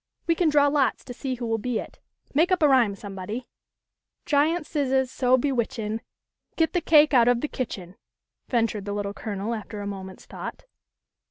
We can draw lots to see who will be it. Make up a rhyme somebody." " Giant Scissahs, so bewitchin', Get the cake out of the kitchen !" ventured the Little Colonel after a moment's thought.